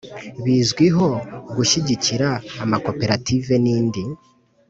Bizwiho gushyigikira amakoperative n indi